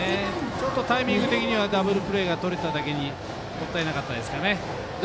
ちょっとタイミング的にはダブルプレーとれただけにもったいなかったですね。